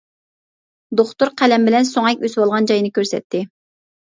دوختۇر قەلەم بىلەن سۆڭەك ئۆسۈۋالغان جاينى كۆرسەتتى.